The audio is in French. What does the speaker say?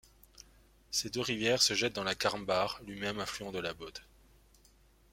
Ces deux rivières se jettent dans la Quarmbach, lui-même affluent de la Bode.